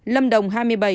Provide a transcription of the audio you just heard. lâm đồng hai mươi bảy